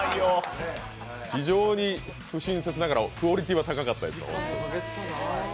非常に不親切ながらクオリティー高かったですよ。